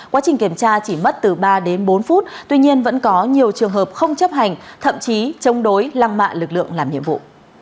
quá trình kiểm tra chỉ mất từ ba đến bốn phút tuy nhiên vẫn có nhiều trường hợp không chấp hành thậm chí chống đối lăng mạ lực lượng làm nhiệm vụ